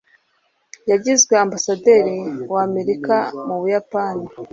yagizwe ambasaderi w'amerika mu buyapani